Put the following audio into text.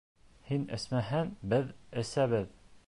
Һин эсмәһәң, беҙ әсәбеҙ!